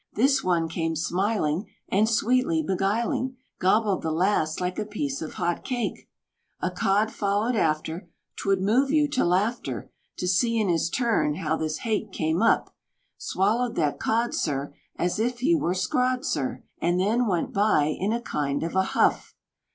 This one came smiling, And, sweetly beguiling, Gobbled the last like a piece of hot cake; A cod followed after; 'Twould move you to laughter To see in his turn how this hake came up, Swallowed that cod, sir, As if he were scrod, sir, And then went by in a kind of a huff!